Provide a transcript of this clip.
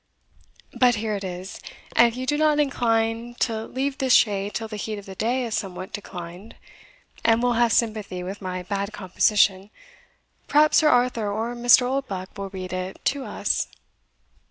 But here it is, and if you do not incline to leave this shade till the heat of the day has somewhat declined, and will have sympathy with my bad composition, perhaps Sir Arthur or Mr. Oldbuck will read it to us."